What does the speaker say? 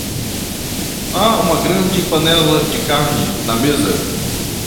Há uma grande panela de carne na mesa.